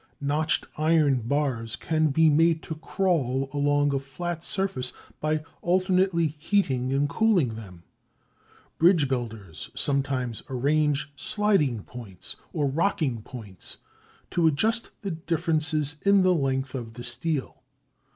Notched iron bars can be made to "crawl" along a flat surface by alternately heating and cooling them. Bridge builders sometimes arrange sliding points, or rocking points to adjust the differences in the length of the steel.